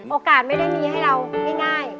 โอกาสไม่ได้มีให้เราง่าย